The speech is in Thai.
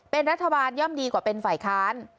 เป็นรัฐบาลย่อมดีกว่าเป็นฝ่ายค้าน